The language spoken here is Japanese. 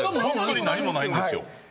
本当に何もないんですよ。